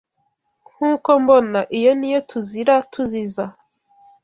Nkuko mbona, iyo niyo TUZIra TUZIza.